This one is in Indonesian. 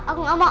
aku nggak mau